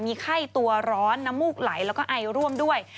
มีไข้ตัวร้อนน้ำมูกไหลแล้วก็ไอร่วมด้วย